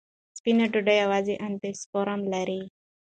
سپینه ډوډۍ یوازې اندوسپرم لري.